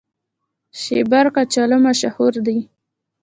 شیبر کچالو مشهور دي؟